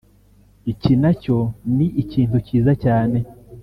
Iki nacyo ni ikintu cyiza cyane